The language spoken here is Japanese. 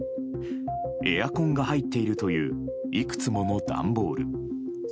エアコンが入っているといういくつもの段ボール。